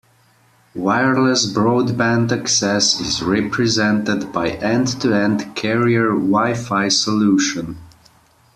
Wireless broadband access is represented by end-to-end Carrier Wi-Fi solution.